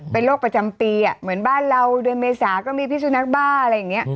เป็นโรคประจำปีเหมือนบ้านเราเดือนเมษาก็มีพิสุนักบ้าอะไรอย่างนี้